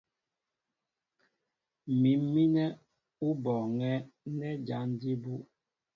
Mǐm mínɛ́ ó bɔɔŋɛ́ nɛ́ jǎn jí bú.